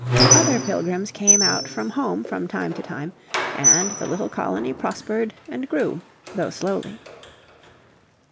Other Pilgrims came out from home from time to time, and the little colony prospered and grew, though slowly.